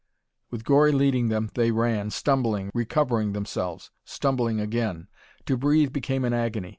With Gori leading them they ran, stumbling, recovering themselves, stumbling again. To breathe became an agony.